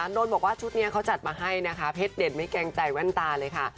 นนท์บอกว่าชุดนี้เขาจัดมาให้นะคะเพชรเด่นไม่เกรงใจแว่นตาเลยค่ะ